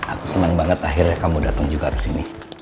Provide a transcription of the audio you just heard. aku seneng banget akhirnya kamu dateng juga kesini